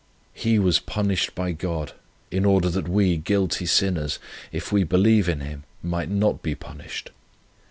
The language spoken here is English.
He was punished by God, in order that we guilty sinners, if we believe in Him, might not be punished.